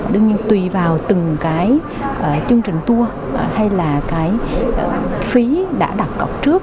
đương nhiên tùy vào từng cái chương trình tour hay là cái phí đã đặt cọc trước